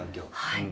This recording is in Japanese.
はい。